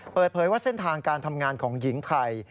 เปิดเผยว่าเส้นทางการทำงานของหญิงไทย